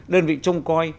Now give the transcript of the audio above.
đơn vị trung quan